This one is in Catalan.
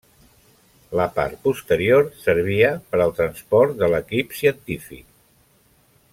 La part posterior servia per al transport de l'equip científic.